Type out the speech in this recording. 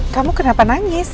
kamu kenapa nangis